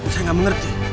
saya gak mengerti